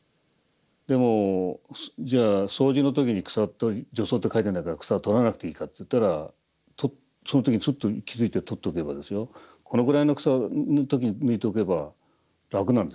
でもじゃあ掃除の時に草取り除草って書いてないから草を取らなくていいかっていったらその時にスッと気付いて取っておけばこのぐらいの草の時に抜いておけば楽なんですよ。